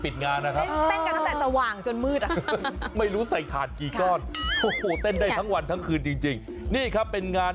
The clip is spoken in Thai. ดูเธอกันหน่อย